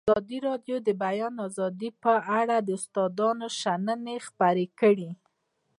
ازادي راډیو د د بیان آزادي په اړه د استادانو شننې خپرې کړي.